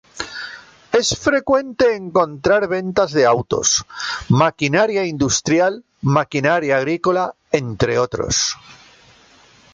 Es frecuente encontrar ventas de autos, maquinaria industrial, maquinaria agrícola, entre otros.